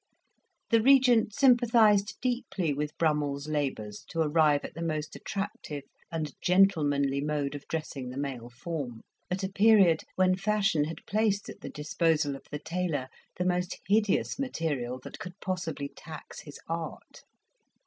The Regent sympathised deeply with Brummell's labours to arrive at the most attractive and gentlemanly mode of dressing the male form, at a period when fashion had placed at the disposal of the tailor the most hideous material that could possibly tax his art.